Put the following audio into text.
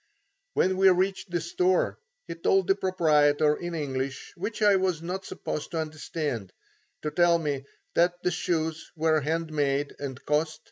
When we reached the store, he told the proprietor in English which I was not supposed to understand, to tell me that the shoes were hand made and cost $3.